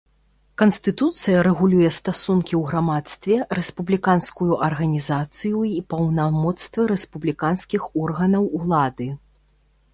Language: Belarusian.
Канстытуцыя рэгулюе стасункі ў грамадстве, рэспубліканскую арганізацыю і паўнамоцтвы рэспубліканскіх органаў улады.